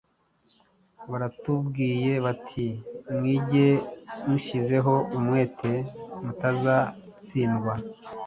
Baratubwiye bati: “Mwige mushyizeho umwete mutazatsindwa.”